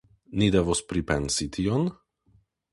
Ni devos pripensi tion?